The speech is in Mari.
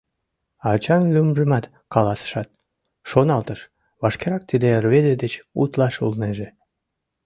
Ачан лӱмжымат каласышат, шоналтыш: вашкерак тиде рвезе деч утлаш улнеже.